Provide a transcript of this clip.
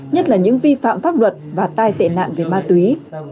nhất là những vi phạm pháp luật và tai tệ nạn về ma túy